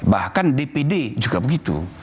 bahkan dpd juga begitu